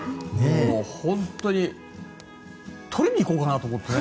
本当に取りにいこうかなと思ってね。